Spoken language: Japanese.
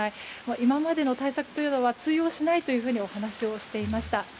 今までの対策が通用しないとお話をしていました。